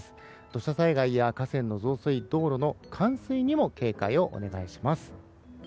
土砂災害や河川の増水道路の冠水にも警戒をお願いします。